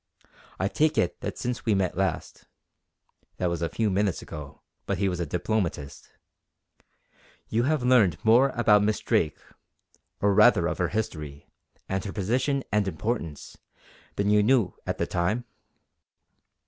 I take it that since we met last" that was a few minutes ago, but he was a diplomatist "you have learned more about Miss Drake, or rather of her history and her position and importance, than you knew at that time?"